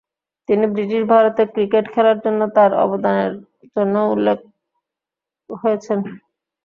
তিনি ব্রিটিশ ভারতে ক্রিকেট খেলার জন্য তার অবদানের জন্যও উল্লেখ হয়েছেন।